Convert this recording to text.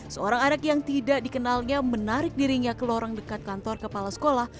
seorang anak yang tidak dikenalnya menarik dirinya ke lorong dekat kantor kepala sekolah